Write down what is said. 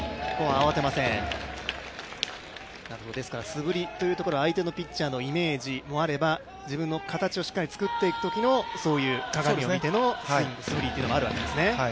素振りは、相手のピッチャーのイメージもあれば、自分の形をしっかり作っていくときの鏡を見ての素振りというのがあるわけですね。